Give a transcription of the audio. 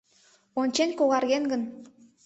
Ончен когарген гын